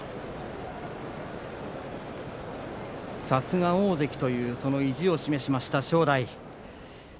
さすが大関というその意地を示しました正代。